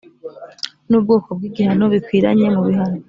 n ubwoko bw igihano bikwiranye mu bihano